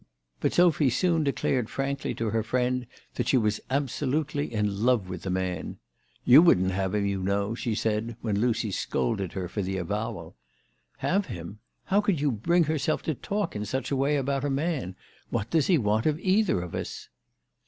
But Sophy soon declared frankly to her friend that she was absolutely in love with the man. " You wouldn't have him, you know," she said when Lucy scolded her for the avowal. " Have him ! How can you bring yourself to talk in such a way about a man ? What does he want of either of us